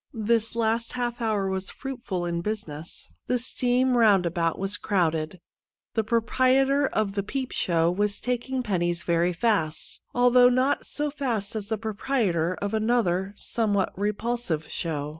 This last half hour was fruitful in business. The steam roundabout was crowded, the proprietor of the peep show was taking pennies very fast, although not so fast as the proprietor of another, somewhat repulsive, show.